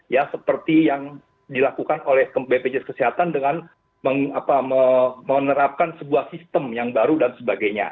ya seperti yang dilakukan oleh bpjs kesehatan dengan menerapkan sebuah sistem yang baru dan sebagainya